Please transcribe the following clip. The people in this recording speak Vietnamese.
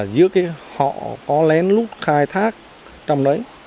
giữa cái họ có lén lút khai thác trong đấy